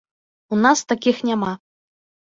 У нас такіх няма.